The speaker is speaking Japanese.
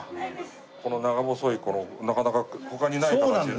長細いこのなかなか他にない形でね。